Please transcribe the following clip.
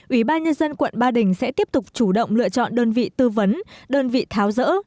ủy ban nhân dân quận ba đình sẽ tiếp tục chủ động lựa chọn đơn vị tư vấn đơn vị tháo rỡ